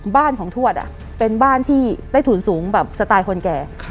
บ้านของทวดเป็นบ้านที่ใต้ถุนสูงแบบสไตล์คนแก่